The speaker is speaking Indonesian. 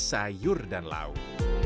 sayur dan lauk